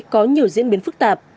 có nhiều diễn biến phức tạp